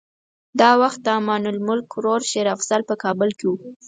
دا وخت د امان الملک ورور شېر افضل په کابل کې و.